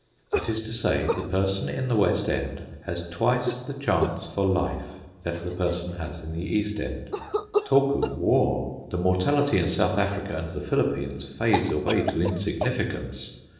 That is to say, the person in the West End has twice the chance for life that the person has in the East End. Talk of war! The mortality in South Africa and the Philippines fades away to insignificance.